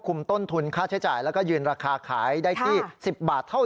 ต้นทุนค่าใช้จ่ายแล้วก็ยืนราคาขายได้ที่๑๐บาทเท่าไ